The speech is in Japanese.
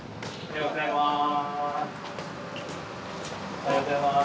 おはようございます。